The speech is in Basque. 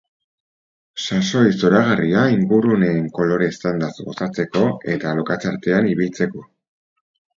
Sasoi zoragarria inguruneen kolore eztandaz gozatzeko, eta lokatz artean ibiltzeko.